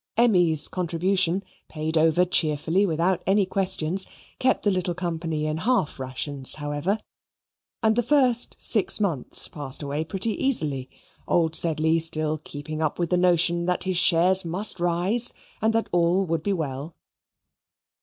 Emmy's contribution, paid over cheerfully without any questions, kept the little company in half rations however. And the first six months passed away pretty easily, old Sedley still keeping up with the notion that his shares must rise and that all would be well.